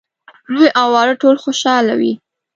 لوی او واړه ټول خوشاله وي.